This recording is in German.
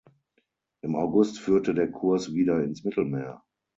Im August führte der Kurs wieder ins Mittelmeer.